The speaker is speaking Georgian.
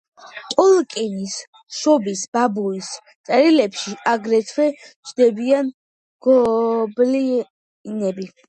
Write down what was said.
ტოლკინის „შობის ბაბუის წერილებში“ აგრეთვე ჩნდებიან გობლინები.